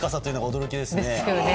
驚きですね。